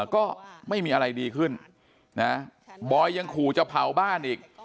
ก็ไม่มีอะไรดีขึ้นนะบอยยังขู่จะเผาบ้านอีก